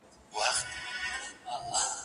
شالمار به په زلمیو هوسېږي